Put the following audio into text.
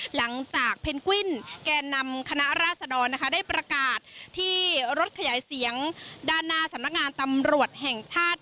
หลังจากเพนกวินแก่นำคณะราษดรนะคะได้ประกาศที่รถขยายเสียงด้านหน้าสำนักงานตำรวจแห่งชาติ